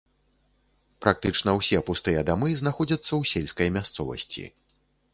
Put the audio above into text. Практычна ўсе пустыя дамы знаходзяцца ў сельскай мясцовасці.